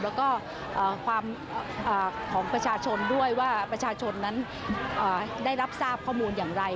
แล้วก็ความของประชาชนด้วยว่าประชาชนนั้นได้รับทราบข้อมูลอย่างไร